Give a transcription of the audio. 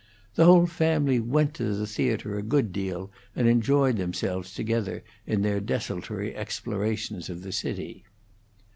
The whole family went to the theatre a good deal, and enjoyed themselves together in their desultory explorations of the city.